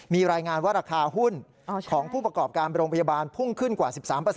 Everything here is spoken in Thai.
มีรายงานว่าราคาหุ้นของผู้ประกอบการโรงพยาบาลพุ่งขึ้นกว่า๑๓